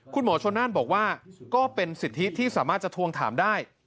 คุณหมอชนนั่นบอกว่าก็เป็นสิทธิที่สามารถจะทวงถามได้